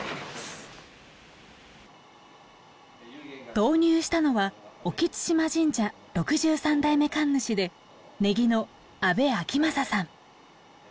導入したのは隠津島神社６３代目神主で禰宜の安部章匡さん。